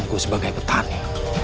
pegangku sebagai petani